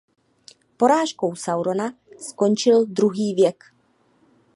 Porážkou Saurona skončil druhý věk.